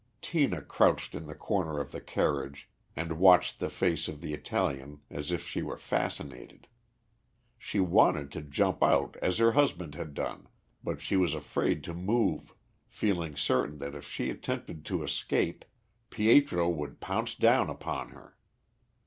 Tina crouched in the corner of the carriage and watched the face of the Italian as if she were fascinated. She wanted to jump out as her husband had done, but she was afraid to move, feeling certain that if she attempted to escape Pietro would pounce down upon her.